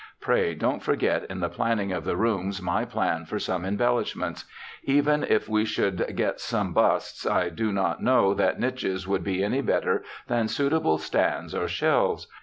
Pray, don't forget in the planning of the rooms my plan for some embellishments. Even if we should get some busts I do not know that niches would be any better than suitable stands or shelves.